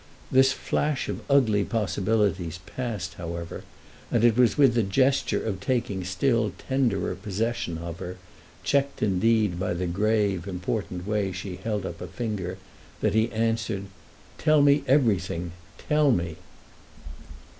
This flash of ugly possibilities passed however, and it was with the gesture of taking still tenderer possession of her, checked indeed by the grave, important way she held up a finger, that he answered: "Tell me everything—tell me!"